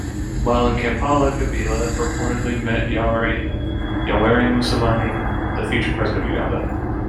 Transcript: While in Kampala, Kabila reportedly met Yoweri Museveni, the future president of Uganda.